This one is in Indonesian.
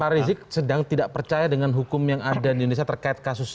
pak rizik sedang tidak percaya dengan hukum yang ada di indonesia terkait kasus ini